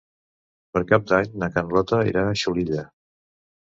Per Cap d'Any na Carlota irà a Xulilla.